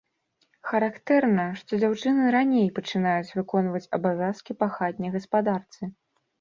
Характэрна, што дзяўчыны раней пачынаюць выконваць абавязкі па хатняй гаспадарцы.